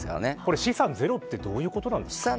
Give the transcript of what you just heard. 資産ゼロはどういうことなんですか。